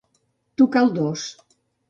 Tocar el dos.